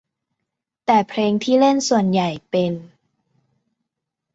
แต่เพลงที่เล่นส่วนใหญ่เป็น